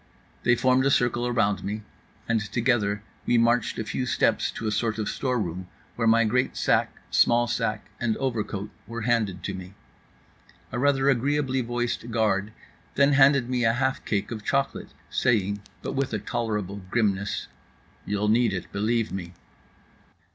They formed a circle around me; and together we marched a few steps to a sort of storeroom, where my great sack, small sack, and overcoat were handed to me. A rather agreeably voiced guard then handed me a half cake of chocolate, saying (but with a tolerable grimness): "You'll need it, believe me."